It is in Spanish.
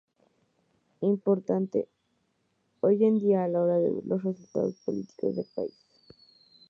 Importante hoy en día a la hora de ver los resultados políticos del país.